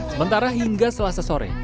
sementara hingga selasa sore